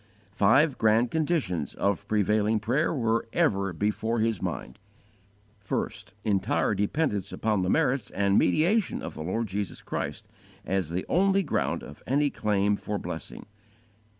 Five grand conditions of prevailing prayer were ever before his mind: 1. Entire dependence upon the merits and mediation of the Lord Jesus Christ, as the only ground of any claim for blessing.